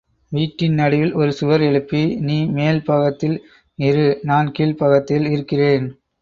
வீட்டின் நடுவில் ஒரு சுவர் எழுப்பி, நீ மேல் பாகத்தில் இரு நான் கீழ்பாகத்தில் இருக்கிறேன்.